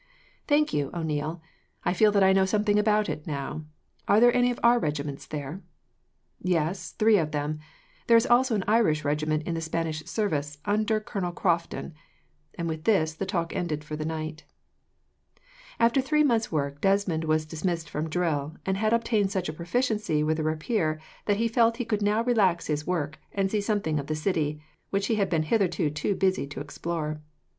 "Thank you, O'Neil. I feel that I know something about it, now. Are there any of our regiments there?" "Yes, three of them. There is also an Irish regiment in the Spanish service, under Colonel Crofton;" and with this, the talk ended for the night. After three months' work Desmond was dismissed from drill, and had obtained such a proficiency with the rapier that he felt that he could now relax his work, and see something of the city, which he had been hitherto too busy to explore.